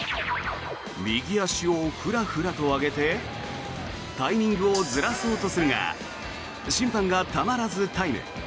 右足をフラフラと上げてタイミングをずらそうとするが審判がたまらずタイム。